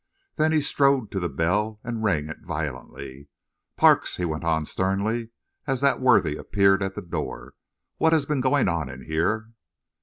Then he strode to the bell and rang it violently. "Parks," he went on sternly, as that worthy appeared at the door, "what has been going on in here?"